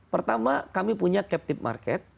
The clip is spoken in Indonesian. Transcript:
pertama kami punya captive market